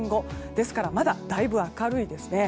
ですからまだだいぶ明るいですね。